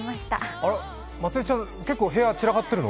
あれ、まつりちゃん結構お部屋散らかってるの？